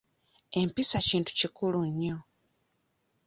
Empisa Kintu kikulu nnyo.